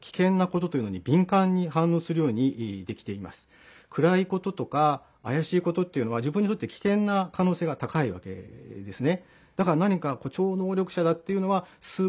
それから暗いこととかあやしいことっていうのは自分にとって危険なかのうせいが高いわけですね。